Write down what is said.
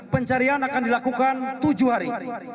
pencarian akan dilakukan tujuh hari